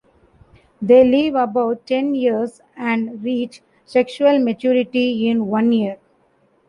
They live about ten years and reach sexual maturity in one year.